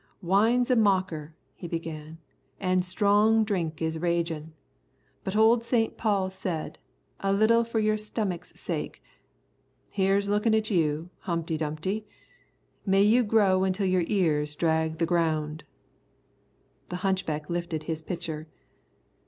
"Wine's a mocker," he began, "an' strong drink is ragin', but old Saint Paul said, 'A little for your stomach's sake.' Here's lookin' at you, Humpty Dumpty. May you grow until your ears drag the ground." The hunchback lifted his pitcher.